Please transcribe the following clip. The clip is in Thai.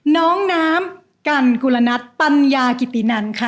น้องน้ำกันกุลนัทปัญญากิตินันค่ะ